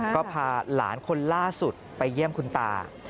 ก็พาหลานคนล่าสุดไปเยี่ยมคุณตา